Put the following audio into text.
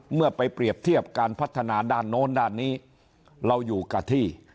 เมื่อไปเปรียบเทียบการพัฒนาด้านโน้นด้านนี้เราอยู่กับที่